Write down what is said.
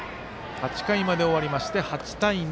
８回まで終わりまして８対２。